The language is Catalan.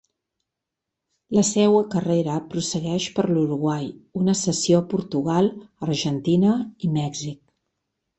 La seua carrera prossegueix per l'Uruguai, una cessió a Portugal, Argentina i Mèxic.